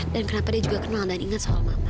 dan kenapa dia juga kenal dan ingat soal mama